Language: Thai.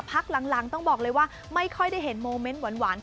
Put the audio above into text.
พักหลังไม่ค่อยได้เห็นโมเมนต์หวาน